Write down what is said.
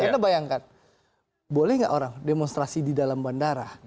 anda bayangkan boleh nggak orang demonstrasi di dalam bandara